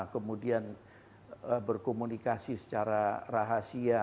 kemudian berkomunikasi secara rahasia